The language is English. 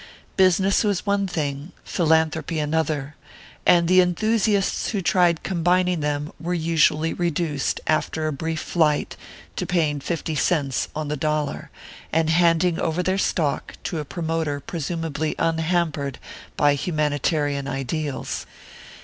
Business was one thing, philanthropy another; and the enthusiasts who tried combining them were usually reduced, after a brief flight, to paying fifty cents on the dollar, and handing over their stock to a promoter presumably unhampered by humanitarian ideals.